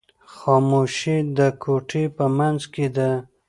خاموشي د کوټې په منځ کې ده.